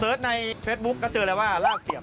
ในเฟซบุ๊คก็เจอเลยว่าลากเสียบ